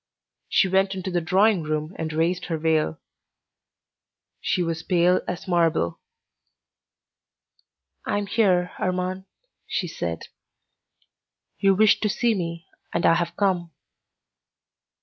She went into the drawing room and raised her veil. She was pale as marble. "I am here, Armand," she said; "you wished to see me and I have come."